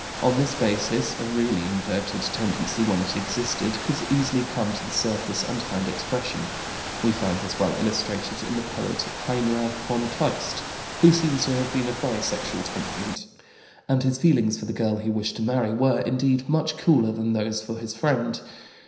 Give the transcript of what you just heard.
On this basis a really inverted tendency, when it existed, could easily come to the surface and find expression. We find this well illustrated in the poet Heinrich von Kleist who seems to have been of bisexual temperament, and his feelings for the girl he wished to marry were, indeed, much cooler than those for his friend.